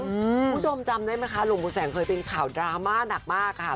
คุณผู้ชมจำได้ไหมคะหลวงปู่แสงเคยเป็นข่าวดราม่าหนักมากค่ะ